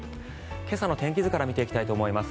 今朝の天気図から見ていきたいと思います。